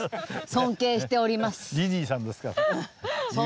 尊敬しております。